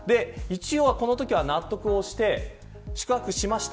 このときは納得をして宿泊しました。